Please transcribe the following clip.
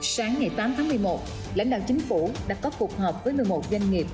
sáng ngày tám tháng một mươi một lãnh đạo chính phủ đã có cuộc họp với một mươi một doanh nghiệp